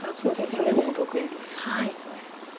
詰碁も得意ですし。